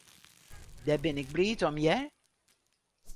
Dêr bin ik bliid om, hear.